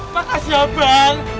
makasih ya bang